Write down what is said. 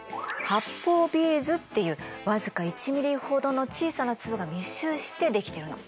発泡ビーズっていう僅か１ｍｍほどの小さな粒が密集して出来てるの。